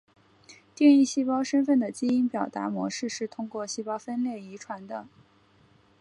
定义细胞身份的基因表达模式是通过细胞分裂遗传的。